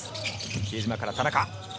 比江島から田中。